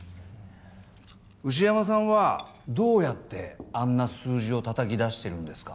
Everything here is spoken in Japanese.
牛山さんはどうやってあんな数字を叩きだしてるんですか？